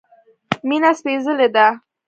مينه سپيڅلی ده